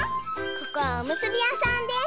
ここはおむすびやさんです。